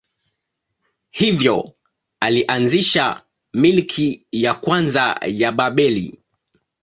Hivyo alianzisha milki ya kwanza ya Babeli.